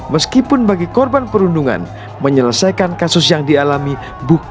meskipun bagi korban perundungan menyelesaikan kasus yang dialami bukan